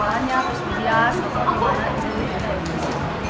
biasanya kan ada kepalanya terus liat